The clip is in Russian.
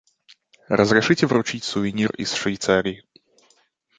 Разрешите вручить сувенир из Швейцарии.